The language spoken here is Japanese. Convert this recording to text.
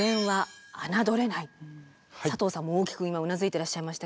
佐藤さんも大きく今うなずいてらっしゃいましたけど。